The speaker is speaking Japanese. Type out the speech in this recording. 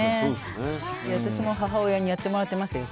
私も母親にやってもらってましたけど。